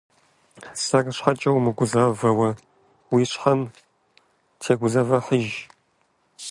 Сэр щхьэкӀэ умыгузавэ уэ, уи щхьэм тегузэвыхьыж.